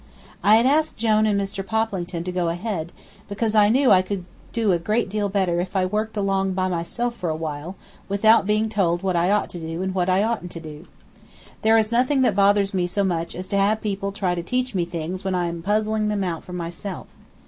I had asked Jone and Mr. Poplington to go ahead, because I knew I could do a great deal better if I worked along by myself for a while, without being told what I ought to do and what I oughtn't to do. There is nothing that bothers me so much as to have people try to teach me things when I am puzzling them out for myself.